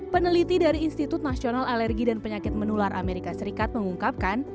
peneliti dari institut nasional alergi dan penyakit menular amerika serikat mengungkapkan